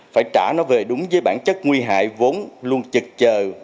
phải trả nó về đúng với bản chất nguy hại vốn luôn trực chờ